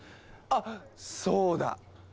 あっそうだ！